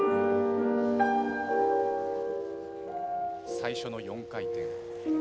最初の４回転。